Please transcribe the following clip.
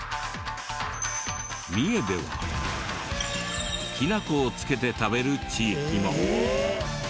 三重ではきな粉をつけて食べる地域も。